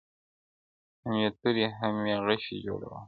هم یې توري هم یې غشي جوړوله -